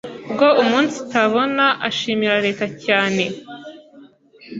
bwo umunsitabona ashimira cyane Leta